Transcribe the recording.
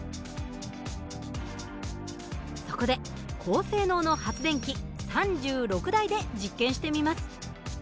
そこで高性能の発電機３６台で実験してみます。